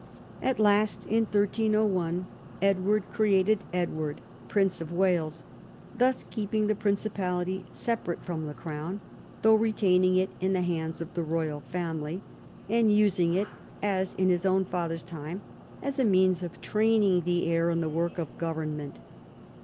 At last, in 1 .301, Edward created Edward Prince of Wales, thus keeping the Principality separate from the Crown, though retaining it in the hands of the royal family, and using it, as in his own father's time, as a means of training the heir in the work of government.